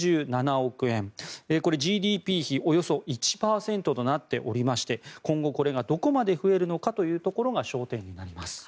これ、ＧＤＰ比およそ１％となっておりまして今後、これがどこまで増えるのかというところが焦点になります。